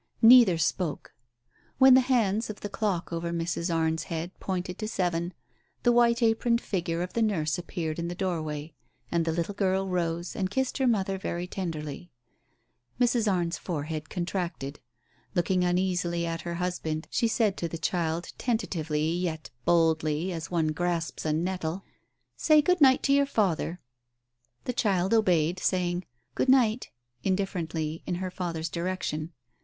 Neither spoke. When the hands of the clock over Mrs. Arne's head pointed to seven, the whiter aproned figure of the nurse appeared in the doorway, and the little girl rose and kissed her mother very tenderly. Mrs. Arne's forehead contracted. Looking uneasily at her husband, she said to the child tentatively, yet boldly, as one grasps a nettle, "Say good night to your father !" The child obeyed, saying, "Good night" indifferently in her father's direction.